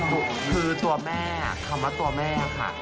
คือตัวแม่คำว่าตัวแม่ค่ะ